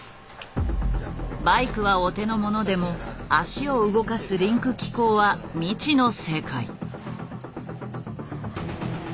バイクはお手の物でも脚を動かすリンク機構は未知の世界。